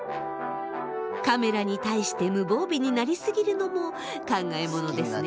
カメラに対して無防備になり過ぎるのも考えものですね。